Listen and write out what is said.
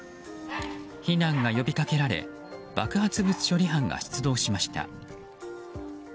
避難が呼び掛けられ爆発物処理班が出動しました。